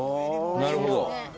なるほど。